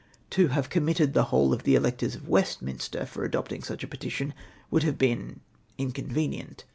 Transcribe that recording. To have committed the whole of the electors of Westmhister for adopting such a petition would have been inconvenient.